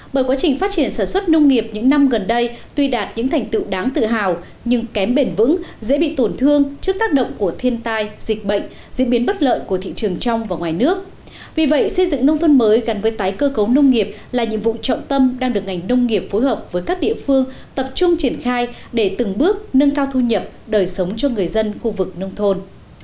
vì vậy xây dựng nông thôn mới gắn với tái cơ cấu nông nghiệp là nhiệm vụ trọng tâm đang được ngành nông nghiệp phối hợp với các địa phương tập trung triển khai để từng bước nâng cao thu nhập đời sống cho người dân khu vực nông thôn